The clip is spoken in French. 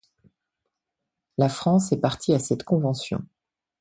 La France est partie à cette Convention.